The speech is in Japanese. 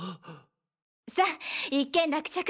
さあ一件落着！